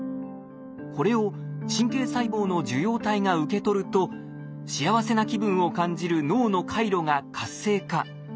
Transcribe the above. これを神経細胞の受容体が受け取ると幸せな気分を感じる脳の回路が活性化。